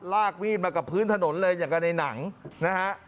ลากวีดมากับพื้นถนนเลยอย่างกับในหนังนะฮะ